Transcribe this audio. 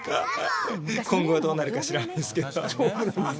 今後はどうなるか知らないですけど。